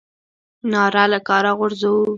ناره له کاره غورځوو.